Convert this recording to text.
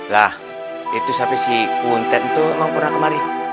lah itu sampai si kuntet itu emang pernah kemari